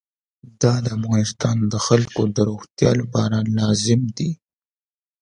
دا د افغانستان د خلکو د روغتیا لپاره لازم دی.